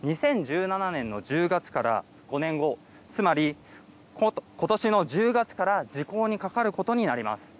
２０１７年の１０月から５年後、つまり今年の１０月から時効にかかることになります。